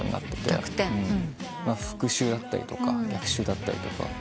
復讐だったりとか逆襲だったりとか。